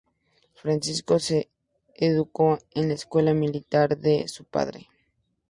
Francisco se educó en la escuela militar de su padre.